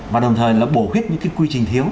và đồng thời là bổ huyết những cái quy trình thiếu